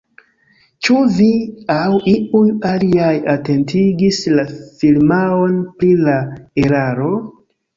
Ĉu vi aŭ iuj aliaj atentigis la firmaon pri la eraro?